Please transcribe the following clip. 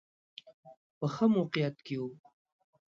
په ښه موقعیت کې و.